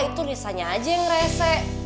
itu risanya aja yang rese